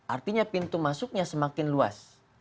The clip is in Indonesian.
artinya pintu masuknya semakin luas